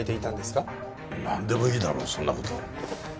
なんでもいいだろうそんな事。